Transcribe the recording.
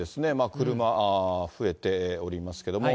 車増えておりますけども。